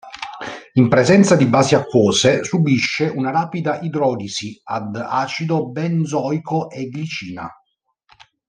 In presenza di basi acquose, subisce una rapida idrolisi ad acido benzoico e glicina.